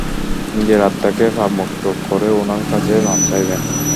নিজের আত্মাকে পাপমুক্ত করে ওনার কাছে মাফ চাইবেন।